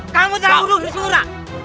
kamu yang sudah membunuh hissurna